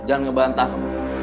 jangan ngebantah kamu kak